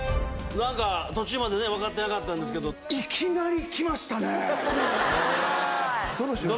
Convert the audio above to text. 何か途中までね分かってなかったんですけどどの瞬間に？